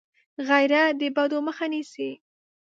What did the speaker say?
غیرت د بدو مخه نیسي